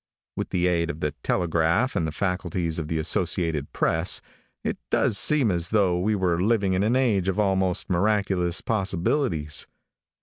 With the aid of the telegraph and the facilities of the Associated Press, it does seem as though we were living in an age of almost miraculous possibilities.